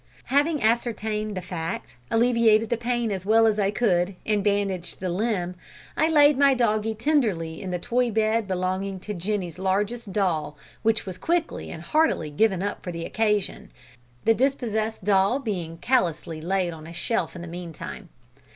Having ascertained the fact, alleviated the pain as well as I could, and bandaged the limb, I laid my doggie tenderly in the toy bed belonging to Jenny's largest doll, which was quickly and heartily given up for the occasion, the dispossessed doll being callously laid on a shelf in the meantime.